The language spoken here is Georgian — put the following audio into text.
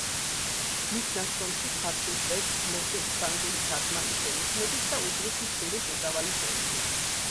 მის ნაშრომში ქართულ ტექსტს მოსდევს ფრანგული თარგმანი შენიშვნებით და უძღვის მცირე შესავალი წერილი.